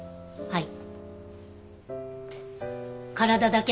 はい。